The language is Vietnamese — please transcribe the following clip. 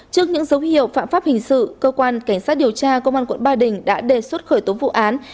trước những dấu hiệu phạm pháp hình sự cơ quan cảnh sát điều tra công an quận ba đình đã đề xuất khởi tố vụ án